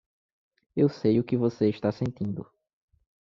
Eu sei o que você está sentindo.